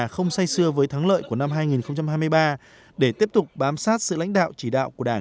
không say xưa với thắng lợi của năm hai nghìn hai mươi ba để tiếp tục bám sát sự lãnh đạo chỉ đạo của đảng